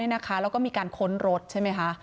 แล้วก็มีการค้นรถใช่ไหมคะ